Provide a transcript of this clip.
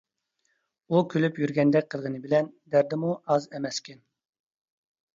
ئۇ كۈلۈپ يۈرگەندەك قىلغىنى بىلەن دەردىمۇ ئاز ئەمەسكەن.